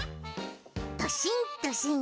ドシンドシン。